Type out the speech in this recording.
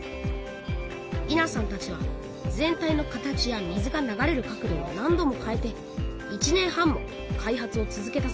伊奈さんたちは全体の形や水が流れる角度を何度も変えて１年半も開発を続けたそうです